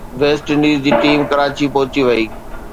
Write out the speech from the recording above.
west Indies جي team Karachi پهچي وئي